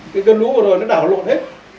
cái gân lũ vừa rồi nó đảo lộn hết